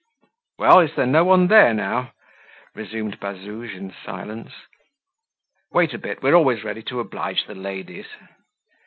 "Well! is there no one there now?" resumed Bazouge in silence. "Wait a bit, we're always ready to oblige the ladies."